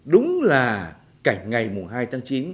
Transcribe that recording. đúng là cảnh ngày mùng hai tháng chín